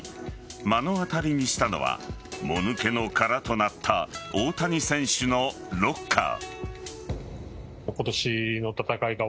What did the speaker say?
目の当たりにしたのはもぬけの殻となった大谷選手のロッカー。